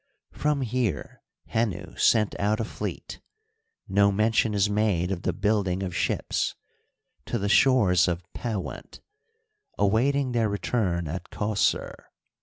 From here Henu sent out a fleet — no mention is made of the building of ships — to the shores of Pewent, awaiting their return at Qoss^r.